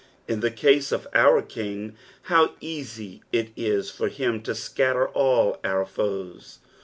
In the case of our King, how easy it is for him to scatter all our foes